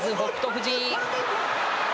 富士。